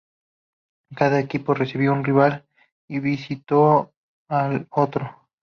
Cada equipo recibió a un rival y visitó al otro.